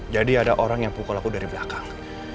jadi ada orang yang pukul aku dari belakang